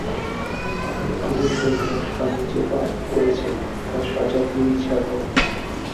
আমি পুলিশ হয়ে তোমার স্বামী যে পাপ করেছে তার সাজা দিয়েই ছাড়বো।